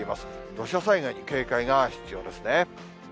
土砂災害に警戒が必要ですね。